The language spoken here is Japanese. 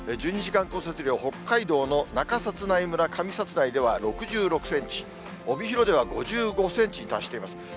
１２時間降雪量、北海道の中札内村上札内では６６センチ、帯広では５５センチに達しています。